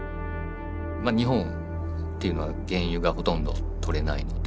日本っていうのは原油がほとんどとれないので。